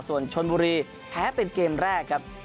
ส่วนชนบุรีแพ้เป็นเกมแรกครับ